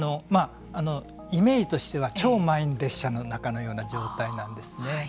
イメージとしては超満員列車の中のような状態なんですね。